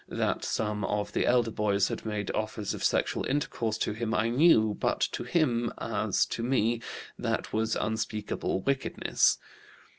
That some of the elder boys had made offers of sexual intercourse to him I knew, but to him, as to me, that was unspeakable wickedness.